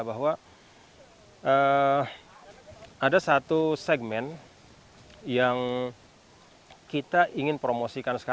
bahwa ada satu segmen yang kita ingin promosikan sekarang